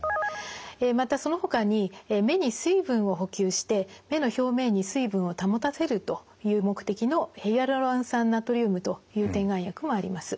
またそのほかに目に水分を補給して目の表面に水分を保たせるという目的のヒアルロン酸ナトリウムという点眼薬もあります。